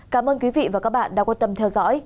cảm ơn quý vị và các bạn đã quan tâm theo dõi